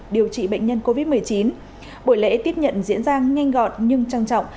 điều trị bệnh nhân covid một mươi chín buổi lễ tiếp nhận diễn ra nhanh gọn nhưng trang trọng